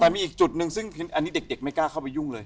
แต่มีอีกจุดหนึ่งซึ่งอันนี้เด็กไม่กล้าเข้าไปยุ่งเลย